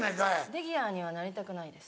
レギュラーにはなりたくないです。